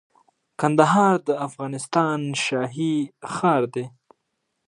کندهار د افغانستان شاهي ښار دي